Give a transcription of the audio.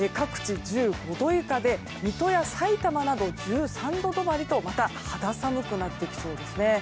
各地１５度以下で水戸やさいたまなど１３度止まりとまた肌寒くなってきそうですね。